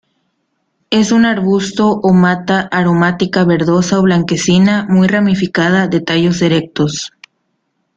Es un arbusto o mata aromática verdosa o blanquecina, muy ramificada, de tallos erectos.